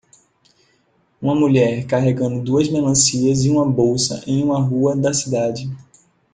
Uma mulher carregando duas melancias e uma bolsa em uma rua da cidade.